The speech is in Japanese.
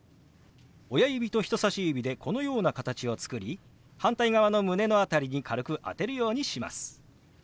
親指と人さし指でこのような形を作り反対側の胸の辺りに軽く当てるようにします。